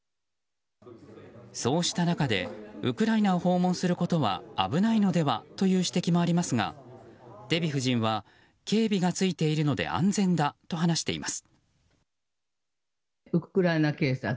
そうした中でウクライナを訪問することは危ないのではという指摘もありますがデヴィ夫人は警備がついているので安全だと話しています。